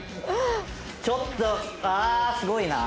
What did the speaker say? ちょっとああすごいな。